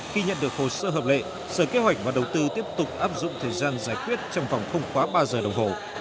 khi nhận được hồ sơ hợp lệ sở kế hoạch và đầu tư tiếp tục áp dụng thời gian giải quyết trong vòng không quá ba giờ đồng hồ